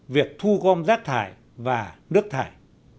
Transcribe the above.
việc thu gom rác thải và nước thải